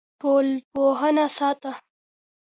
ټولنپوهنه سته.